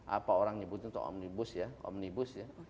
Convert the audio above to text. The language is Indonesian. apa orang nyebutnya untuk omnibus ya